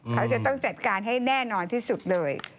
เขาจะต้องจัดการให้แน่นอนที่สุดเลย